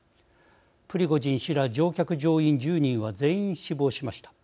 プリゴジン氏ら乗客、乗員１０人は全員死亡しました。